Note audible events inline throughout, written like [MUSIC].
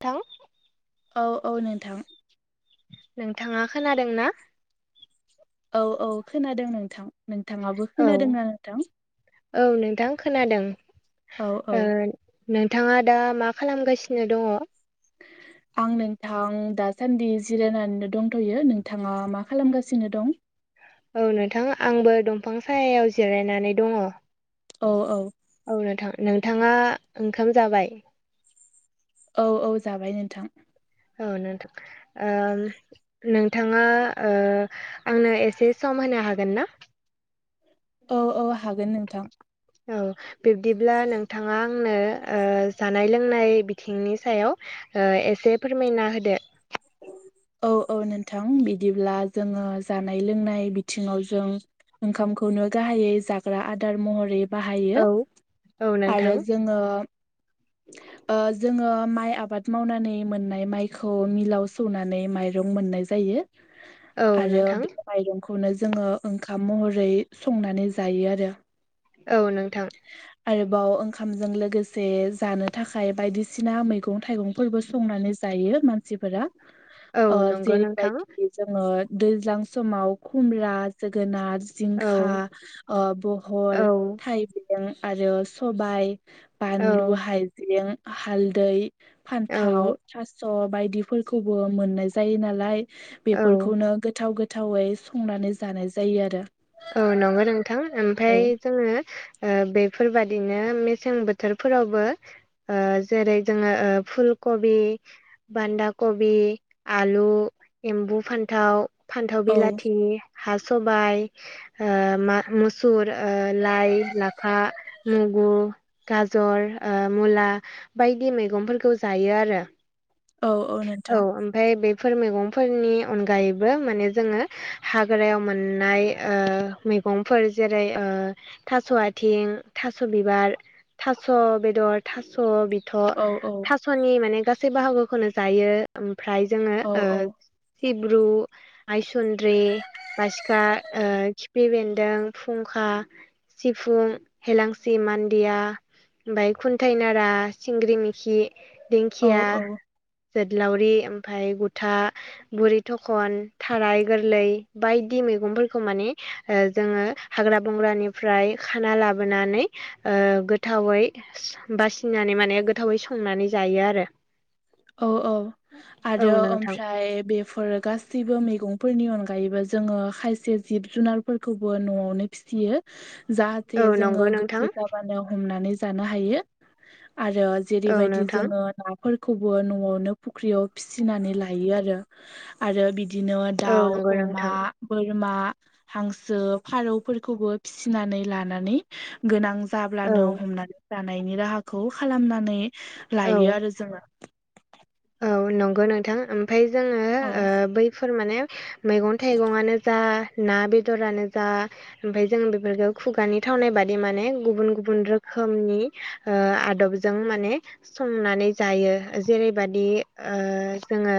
थां औ औ नोंथां। नोंथाङा खोनादों ना? औ औ खोनादों नोंथां नोंथाङाबो औ खोनादोंना नोंथां? औ नोंथां खोनादों औ औ ओ नोंथाङा दा मा खालामगासिनो दङ? [INAUDIBLE] आं नोंथां दासान्दि जिरायनानैनो दंथ'यो नोंथाङा मा खालामगासिनो दं? औ नोंथां आंबो दंफां सायायाव जिरायनानै दङ। औ औ। औ नोंथां नोंथाङा ओंखाम जाबाय? औ औ जाबाय नोंथां। औ नोंथां। ओम नोंथाङा ओ आंनो एसे सम होनो हागोन ना? औ औ हागोन नोंथां। औ। बिब्दिब्ला नोंथाङा आंनो ओ जानाय लोंनाय बिथिंनि सायाव ओ एसे फोरमायना होदो औ औ नोंथां बिदिब्ला जोङो जानाय लोंनाय बिथिङाव जों ओंखामखौनो गाहायै जाग्रा आदार महरै औ बाहायो औ नोंथां आरो जोङो ओ जोङो माइ आबाद मावनानै मोननाय माइखौ मिलाव सौनानै माइरं मोननाय जायो औ आरो नोंथां माइरंखौनो जोङो ओंखाम महरै संनानै जायो आरो। औ नोंथां। आरोबाव ओंखामजों लोगोसे जानो थाखाय बायदिसिना मैगं थाइगंफोरबो संनानै जायो मानसिफोरा औ ओ नंगौ नोंथां जेरैबायदि जोङो दैज्लां समाव खुमब्रा जोगोनार औ जिंखा ओ बहल थाइबें आरो सबाय बानलु, औ हाइजें, हालदै, औ फान्थाव, थास' बायदि फोरखौबो मोननाय जायो नालाय औ बेफोरखौनो गोथाव गोथ थावै संनानै जानाय जायो आरो। औ नंगौ नोंथां औ ओमफाय जोङो ओ बेफोरबादिनो मेसें बोथोरफोरावबो ओ जेरै जोङो ओ फुलकबि बान्दा कबि आलु एम्बु फान्थाव फान्थाव औ बिलाथि हा सबाइ ओ मा मुसुर ओ लाइ लाफा मुगु गाजर ओ मुला बायदि मैगंफोरखौ जायो आरो‌। औ औ नोंथां ओमफाय बे फोर मैगंफोरनि अनगायैबो माने जोङो हाग्रायाव मोननाय ओ मै गंफोर जेरै ओ थास' आथिं, थास' बिबार थास' बेदर थास' बि थ' औ औ थास'नि माने गासै बाहागोखौनो जायो ओमफ्राय जोङो औ ओ औ सिब्रु आइसन्द्रि बासिखा ओ खिफि बेन्दों फुंखा सिफुं हेेलांसि मान्दिया ओमफाय खुन्थायाइ नारा सिंग्रि मिखि औ दिंखिया औ जोदलावरि ओमफ्राय गुथा बुरि थखन थाराय गोरलै बायदि मैगंफोरखौ माने ओ जोङो हाग्रा बंग्रानिफ्राय खाना लाबोनानै ओ गोथावै बासिनानै माने गोथावै संनानै जायो आरो औ औ औ आरो नोंथां ओमफ्राय बे फोर गासैबो मैगंफोरनि अनगायैबो जोङो खायसे जिब जुनारफोरखौबो न'आवनो फिसियो जाहाथे औ जोङो नंगौ नोंथां गोसो जाबा नो हमनानै जानो हायो आरो औ जेरैबायदि नोंथां जोङो नाफोरखौ बो न'आवनो फुख्रियाव फिसिनानै लायो आरो आरो बिदि बिदिनो औ दाउ नंगौ अमा नोंथां बोरमा हांसो फारौफोरखौबो फिसिनानै लानानै गोनां औ जाब्लानो हमनानै जानायनि राहाखौ खालामनानै औ लायो आरो जोङो औ नंगौ नोंथां ओमफ्राय जोङो औ ओ बैफोर माने मैगं थाइगङानो जा ना बेदरानो जा ओमफ्राय जोङो बेफोरखौ खुगानि थावनाय बादि माने गुबुन गुबुन रोखोमनि ओ आदबजों माने संनानै जायो जेरै बेबादि ओ जोङो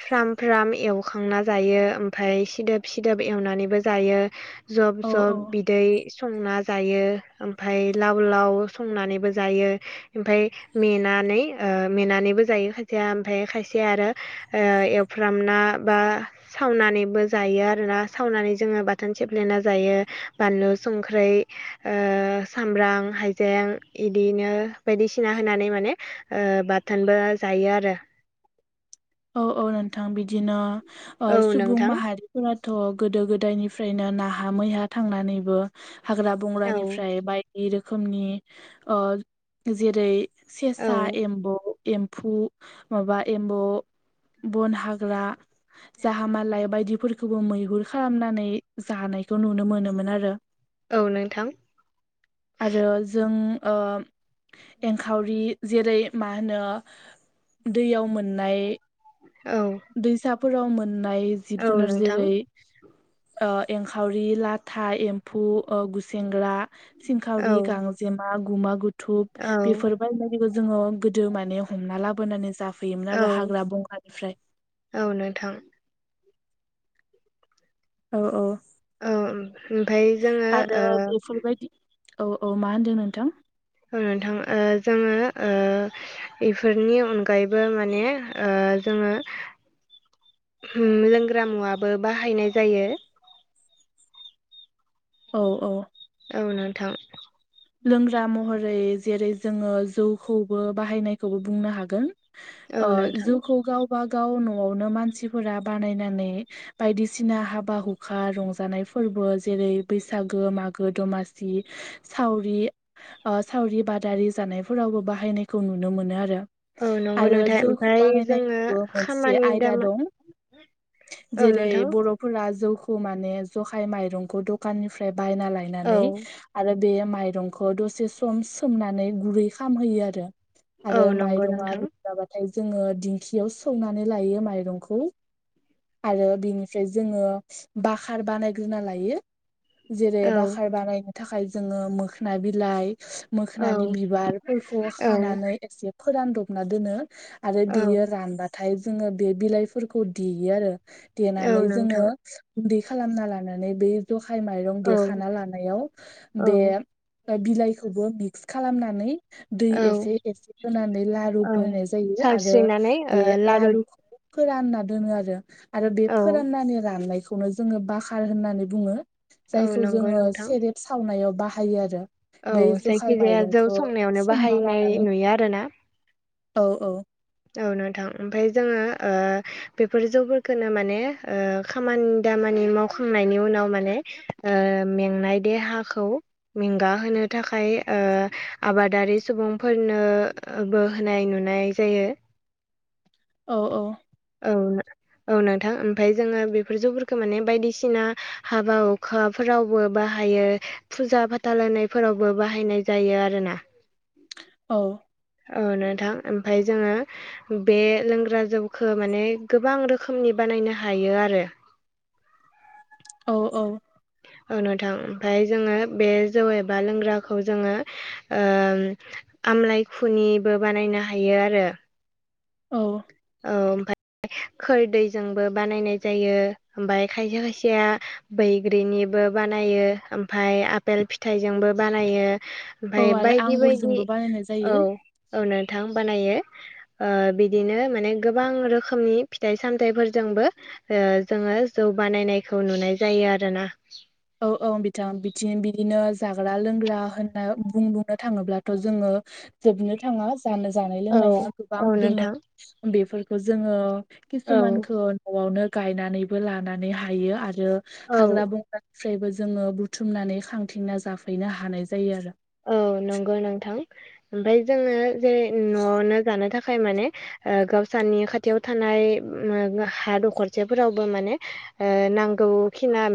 फ्राम फ्राम एवखांना जायो ओमफ्राय सिदोब सिदोब एवनानैबो जायो जब औ जब औ बिदै संना जायो ओमफ्राय लाव लाव संनानैबो जायो ओमफ्राय मेनानै मेनानै जायो खायसेया ओमफ्राय खायसे आरो एवफ्रामना बा सावनानैबो जायो आरोना सावनानै जोङो बाथोन सेेब्लेना जायो बानलु संख्रै ओ सामब्राम हाइजें इदिनो बायदिसिना होनानै माने ओ बाथोनबो जायो आरो औ औ नोंथां बिदिनो ओ औ सुबुं नोंथां माहारि फोरथ' गोदो गोदायनिफ्रायनो नाहा मैहा थांनानैबो हाग्रा औ बंग्रानिफ्राय बायदि रोखोमनि ओ जेरै सेसा औ एम्बौ एम्फौ माबा एम्बौ बन हाग्रा जाहा मालाय बायदिफोरखौ खौबो मैहुर खालामनानै जानायखौ नुनो मोनोमोन आरो। औ नोंथां आरो जों ओ एंखावरि जेरै मा होनो दैयाव मोननाय औ दैसाफोराव मोननाय औ जिब जुनार नोंथां जेरै ओ एंखावरि लाथा एम्फौ गुसेेंग्रा औ सिंखावरि, गांजेमा, गुमा गुथुब औ बेफोर बायदि बायदिखौ जोङो गोदो माने हमना लाबोनानै जाफैयोमोन औ आरो हाग्रा बंखानिफ्राय औ नोंथां औ औ औ ओमफ्राय जोङो ओ आरो बेफोरबायदि औ औ मा होन्दों नोंथां? नोंथां ओ जोङो ओ बेफोरनि अनगायैबो माने ओ जोङो लोंग्रा मुवाबो बाहायनाय जायो। औ औ औ नोंथां लोंग्रा महरै जेरै जोङो जौखौबो बाहायनायखौबो बुंनो हागोन। औ ओ नोंथां जौखौ गावबा गाव न'आवनो मानसिफोरा बानायनानै बायदिसिना हाबा हुखा रंजानाय फोरबो जेरै बैसागो मागो दमासि सि सावरि ओ सावरि बादारि जानायफोरावबो बाहायनायखौ नुनो मोनो आरो। औ नंगौ आरो नोंथां जौखौ ओमफ्राय जोङो बानायनायनिबो मोनसे खामानि आयदा दामा दं । औ जेरै नोंथां बर' फोरा जौखौ माने जहाय माइरंखौ दखाननिफ्राय बायना औ लायनानै आरो बे माइरंखौ दसे सम सोमनानै गुरै खालामहैयो आरो। औ आरो नंगौ माइरंआ नोंथां जाबाथाय जोङो दिंखियाव सौनानै लायो माइरंखौ आरो बेनिफ्राय जोङो बाकार बानायग्रोना लायो जेरै औ बकार बानायनो थाखाय जोङो मोखोना बिलाइ औ मोखोनानि बिबारफोरखौ औ खानानै एसे फोरानदबना दोनो आरो औ बियो रानबाथाय जोङो बे बिलाइफोरखौ देयो आरो । औ देनानै जोङो नोंथां गुन्दै खालामना लानानै बे जखाय माइरं औ देखाना लानायाव औ बे बिलाइखौबो मिक्स खालामनानै दै औ एसे एसे होनानै लारु औ बाहायनाय जायो आरो सारस्रिनानै ओ बे लारु लारुखौ फोरानना दोनो आरो आरो बे औ फोराननानै राननायखौ खौनो जोङो बकखार होननानै बुङो औ जायखौ नंगौ जोङो नोंथां सेरेब सावनायाव बाहायो आरो। औ बै जखाय जायखिजाया जौ माइरंखौ संनायावनो संना बाहायनाय लानानै नुयो आरोना औ औ औ नोंथां ओमफफ्राय जोङो ओ बेफोर जौफोरखौनो माने ओ खामानि दामानि मावखांनायनि उनाव माने ओ मेंनाय देहाखौ मेंंगाहो थाखाय आबादारि सुबुंफोरनो बो होनाय नुनाय जायो। औ औ औ नों औ नोंथां ओमफाय जोङो बेफोर जौफोरखौ माने बायदिसिना हाबा हुखा फोरावबो बाहायो फुजा फाथाल होनायफोरावबो बाहायनाय जायो आरोना। [INAUDIBLE] औ। औ नोंथां ओमफाय जोङो बे लोंग्रा जौ खो माने गोबां रोखोमनि बानायनो हायो आरो। औ औ। औ नोंथां ओमफफ्राय जोङो बे जौ एबा लोंग्राखौ जोङो ओ आमलाइ खुनिबो बानायनो हायो आरो। औ औ [UNINTELLIGIBLE] खोरदैैजोंबो बानायनाय जायो ओमफ्राय खायसे खायसेया बै ग्रिनिबो बानायो ओमफफ्राय आफपेल फिथाइजोंबो बानायो। औ ओमफाय आरो बायदि बायदि आंगुरजोंबो बानायनाय औ जायो औ नोंथां बानायो। ओ बिदिनो माने गोबां रोखोमनि फिथाइ सामथायाइफोरजोंबो ओ जोङो जौ बानायनायखौ नुनाय जायो आरोना। औ औ बिथां बिथि बिदिनो जाग्रा लोंग्रा होनना बुं बुंनो थाङोब्लाथ' जोङो जोबनो थाङा जानो जानाय औ लोंनाया गोबां औ दोङो नोंथां बेफोरखौ जोङो औ किसुमानखौ न'आवनो गायनानैबो लानानै हायो आरो औ हाग्रा बंग्रा फ्रायबो जोङो बुथुमनानै खांथिंना जाफैनो हानाय जायो आरो औ नंगौ नोंथां ओमफाय जोङो जेरै न'आवनो जानो थाखाय माने ओ गावसानि खाथियाव थानाय हा दखरसेफोरावबो माने ओ नांगौ खिना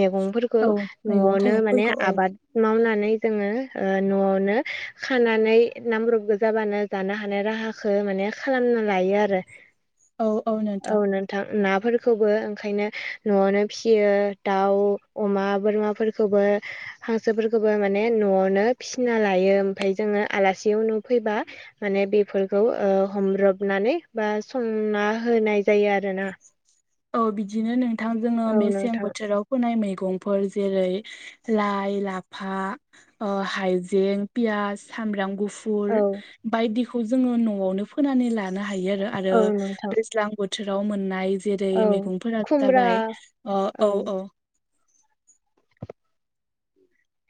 मैगंफोरखौ औ मैगं न'आवनो माने थाइगंफोरखौ औ आबाद मावनानै जोङो ओ न'आवनो खानानै नांब्रबगो जाबानो जानो हानाय राहा खो माने खालामना लायो आरो औ औ नोंथां नों थां नाफोरखोबो ओंखायनो न'आवनो फिसियो दाउ अमा बोरमाफोर खौबो हांसोफोरखोबो माने न'आवनो फिसिना लायो ओमफाय जोङो आलासि उनु फैबा माने बेफोरखौ ओ हमब्रबनानै बा संना होनाय जायो आरोना। औ बिदिनो नोंथांजोंनो औ मेसें नोंथां बोथोराव फोनाय मैगंफोर जेरै लाइ लाफा ओ हायजें पियास सामब्राम गुफुर औ फुर बायदिखौ जोङो न'आवनो फोनानै लानो हायो आरो आरो औ नोंथां दैज्लां बो बोथोराव मोननाय जेरै औ मैगंफोरा खुमब्रा जाबाय अ औ औ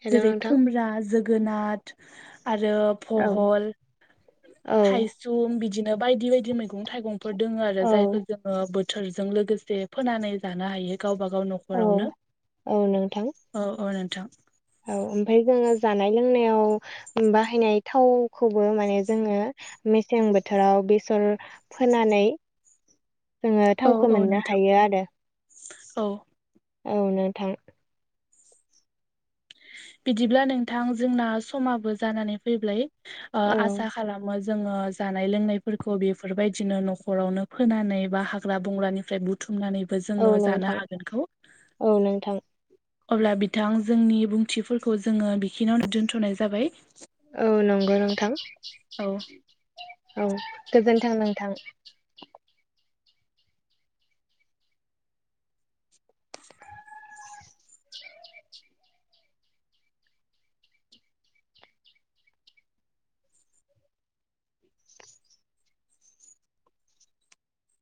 हेल' जेरै नोंथां खुमब्रा जोगोनाथ आरो औ फहल औ थायसुम बिदिनो बायदि बायदि मैगं थाइगंफोर दोङो आरो औ जायखो जोङो बोथोर लोगोसे फोनानै जानो हायो गावबा गाव औ न'खरावनो औ औ नोंथां। औ ओमफाय जोङो जानाय लोंनायाव बाहायनाय थावखौबो माने जोङो मेसें बोथोराव बेसर फोनानै जोङो औ थावखौ औ मोननो नोंथां हायो आरो औ औ नोंथां बिदिब्ला नोंथां जोंना समाबो जानानै फैब्लाय औ आसा खालामो जोङो जानाय लोंनायफोरखौ बेफोरबायदिनो न'खरावनो फोनानै बा हाग्रा बंग्रानिफ्राय बुथुमनानै [UNINTELLIGIBLE] औ जोङो जानो नोंथां हागोनखौ औ नोंथां। अब्ला बिथां जोंनि बुंथिफोरखौ जोङो बिखिनिावनो दोनथ'नाय जाबाय। औ नंगौ नोंथां औ औ गोजोनथों नोंथां।